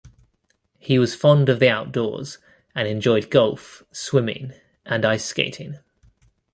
He was fond of the outdoors and enjoyed golf, swimming, and ice skating.